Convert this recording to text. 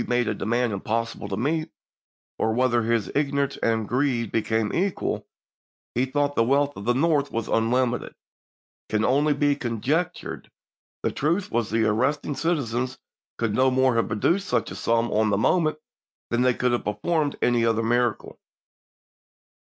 made a demand impossible to meet, or whether, his ignorance and greed being equal, he thought the wealth of the North was unlimited, can only be conjectured; the truth was the arrested citizens could no more have produced such a sum on the moment than they could have performed any other miracle.